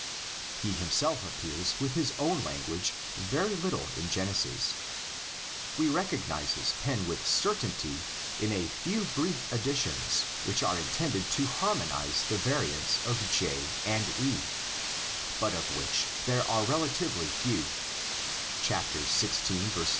He himself appears with his own lan guage very little in Genesis. We recognise his pen with certainty in a few brief additions which are intended to harmonise the variants of J and E, but of which there are relatively few: xvi.